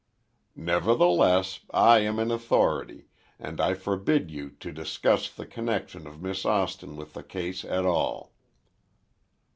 "Nevertheless, I am in authority, and I forbid you to discuss the connection of Miss Austin with the case at all."